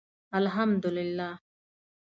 الحمدالله